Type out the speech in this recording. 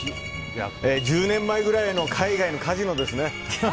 １０年前くらいの海外のカジノですね。